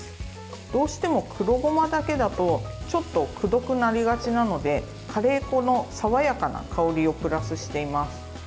どうしても黒ごまだけだとちょっと、くどくなりがちなのでカレー粉の爽やかな香りをプラスしています。